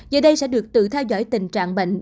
giờ đây sẽ được tự theo dõi tình trạng bệnh